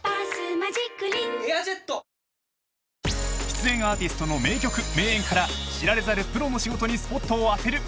［出演アーティストの名曲名演から知られざるプロの仕事にスポットを当てる。